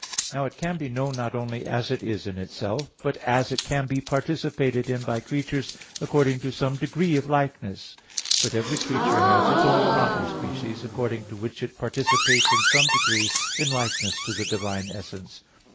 Now it can be known not only as it is in itself, but as it can be participated in by creatures according to some degree of likeness. But every creature has its own proper species, according to which it participates in some degree in likeness to the divine essence.